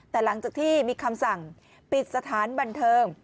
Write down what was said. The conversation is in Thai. แต่หลังจากที่มีคำสั่งปิดสถานบันเทิง